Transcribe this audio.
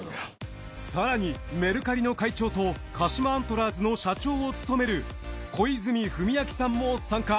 更にメルカリの会長と鹿島アントラーズの社長を務める小泉文明さんも参加。